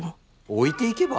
置いていけば？